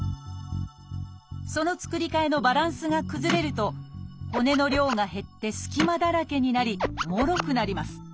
その作り替えのバランスが崩れると骨の量が減って隙間だらけになりもろくなります。